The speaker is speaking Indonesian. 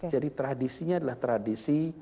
jadi tradisinya adalah tradisi